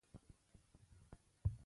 نجلۍ د خوښۍ سبب ده.